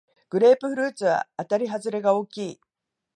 グレープフルーツはあたりはずれが大きい